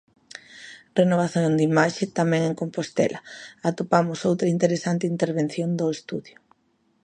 Renovación de imaxe Tamén en Compostela atopamos outra interesante intervención do estudio.